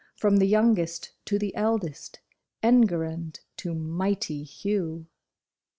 From the youngest to the eldest, Enguerrand to mighty Hugh.